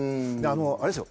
あれですよ